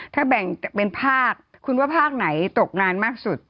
ถ้าแบ่งเป็นภาคคุณว่าภาคไหนตกงานมากสุด